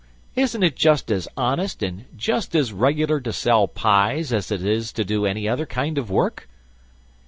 Isn't it just as honest and just as regular to sell pies as it is to do any other kind of work?"